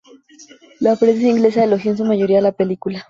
La prensa inglesa elogió en su mayoría a la película.